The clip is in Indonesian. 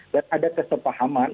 dan ada kesepahaman